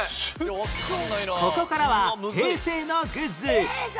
ここからは平成のグッズ